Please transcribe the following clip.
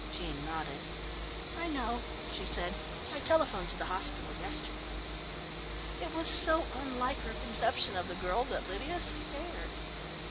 Jean nodded. "I know," she said. "I telephoned to the hospital yesterday." It was so unlike her conception of the girl, that Lydia stared.